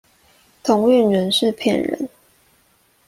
同運人士騙人